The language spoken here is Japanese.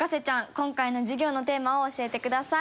今回の授業のテーマを教えてください。